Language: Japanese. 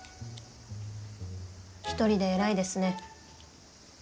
一人でえらいですね。